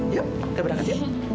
yuk kita berangkat